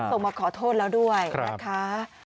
มาขอโทษแล้วด้วยนะคะ